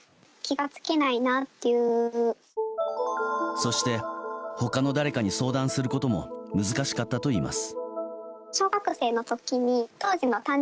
そして他の誰かに相談することも難しかったといいます。